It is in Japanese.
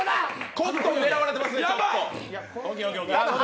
コットン、狙われてます。